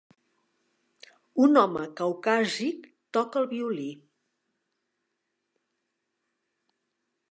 Un home caucàsic toca el violí.